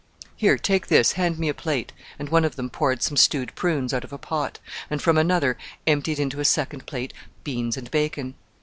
"Here, take this, hand me a plate," and one of them poured some stewed prunes out of a pot, and from another emptied into a second plate beans and bacon.